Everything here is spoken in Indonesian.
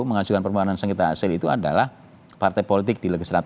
mengajukan permohonan sengitra asil itu adalah partai politik